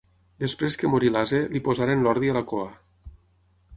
Després que morí l'ase, li posaren l'ordi a la cua.